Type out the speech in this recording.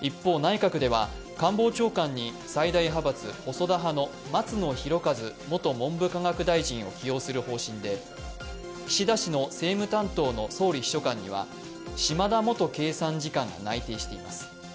一方、内閣では官房長官に最大派閥、細田派の松野博一元文部科学大臣を起用する方針で岸田氏の政務担当の総理秘書官には嶋田元経産次官が内定しています。